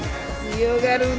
強がるね。